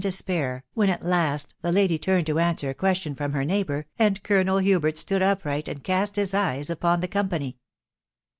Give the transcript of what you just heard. despair, when at last die lady turned to answer a question front her neighbour, and Colonel Hubert stood upright and cast hie eye* upon the company.